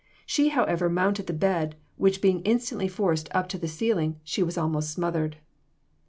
She, however, mounted the bed, which being instantly forced up to the ceiling she was almost smothered.